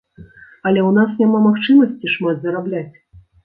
Але ў нас няма магчымасці шмат зарабляць.